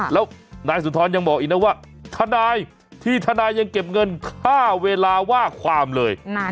แล้วนายสุนทรยังบอกอีกนะว่าทนายที่ทนายยังเก็บเงินค่าเวลาว่าความเลย